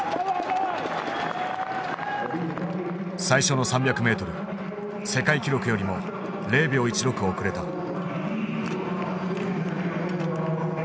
最初の３００ｍ世界記録よりも０秒１６遅れた。